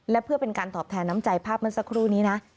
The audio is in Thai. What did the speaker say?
และเพื่อเป็นการตอบแทนน้ำใจภาพเมื่อสักครู่นี้นะ